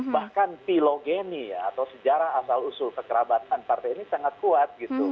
bahkan pilogeni atau sejarah asal usul kekerabatan partai ini sangat kuat gitu